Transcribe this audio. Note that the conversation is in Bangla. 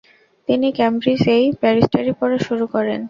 তিনি কেমব্রিজেই ব্যারিস্টারি পড়া শুরু করেন।